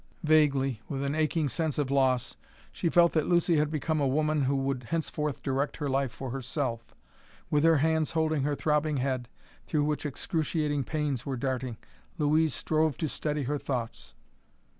Vaguely, with an aching sense of loss, she felt that Lucy had become a woman who would henceforth direct her life for herself. With her hands holding her throbbing head, through which excruciating pains were darting, Louise strove to steady her thoughts.